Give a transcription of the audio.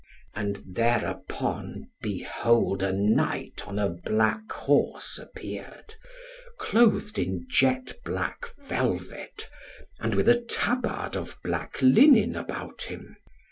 And thereupon, behold a Knight on a black horse appeared, clothed in jet black velvet, and with a tabard of black linen about him.